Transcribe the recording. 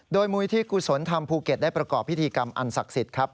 โดยมูลที่กุศลธรรมภูเก็ตได้ประกอบพิธีกรรมอันศักดิ์สิทธิ์ครับ